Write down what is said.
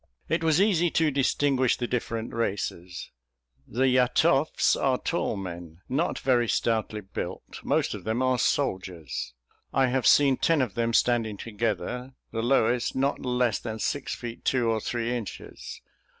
It was easy to distinguish the different races: the Yatoffes are tall men, not very stoutly built; most of them are soldiers. I have seen ten of them standing together, the lowest not less than six feet two or three inches.